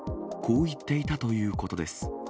こう言っていたということです。